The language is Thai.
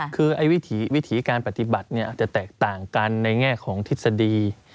คือวิถีการปฏิบัติอาจจะแตกต่างกันในแง่ของทฤษฎี